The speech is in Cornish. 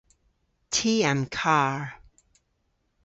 Ty a'm kar.